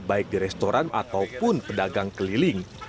baik di restoran ataupun pedagang keliling